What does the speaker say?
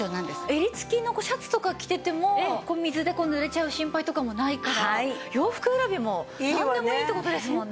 襟付きのシャツとか着てても水でぬれちゃう心配とかもないから洋服選びもなんでもいいって事ですもんね。